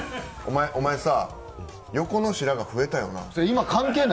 お前さ、横の白髪、増えたよな。